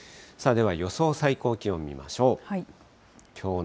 では予想最高気温を見ましょう。